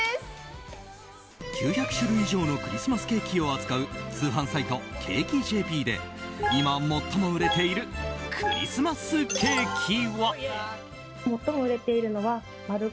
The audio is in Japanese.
９００種類以上のクリスマスケーキを扱う通販サイトＣａｋｅ．ｊｐで今、最も売れているクリスマスケーキは。